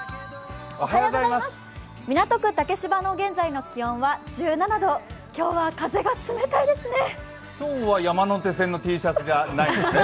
港区竹芝の現在の気温は１７度、今日は風が冷たいですね。